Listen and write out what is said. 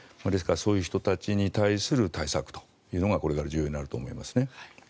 ですからそういう人たちに対する対策というのがこれから重要になると思いますね。